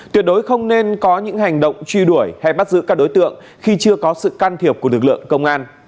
tuyệt đối không nên có những hành động truy đuổi hay bắt giữ các đối tượng khi chưa có sự can thiệp của lực lượng công an